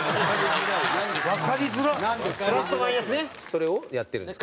それをやってるんですか？